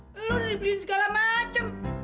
lu udah dibeliin segala macem